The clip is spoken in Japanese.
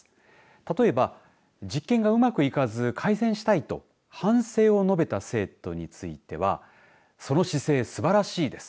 例えば実験がうまくいかず改善したいと反省を述べた生徒についてはその姿勢すばらしいです。